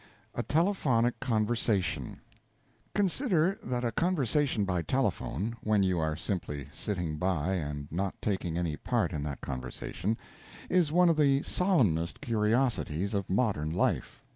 A TELEPHONIC CONVERSATION Consider that a conversation by telephone when you are simply sitting by and not taking any part in that conversation is one of the solemnest curiosities of modern life.